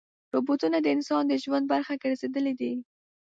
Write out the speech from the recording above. روبوټونه د انسان د ژوند برخه ګرځېدلي دي.